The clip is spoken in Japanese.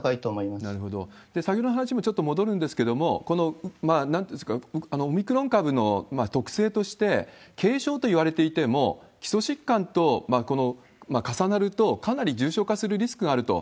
先ほども話にちょっと戻るんですけれども、なんていうんですが、このオミクロン株の特性として、軽症といわれていても、基礎疾患と重なると、かなり重症化するリスクがあると。